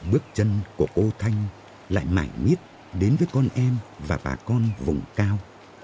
bước chân của cô thanh lại mãi miết đến với con em và bà con vùng cao